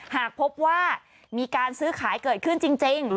หากพบว่ามีการซื้อขายเกิดขึ้นจริง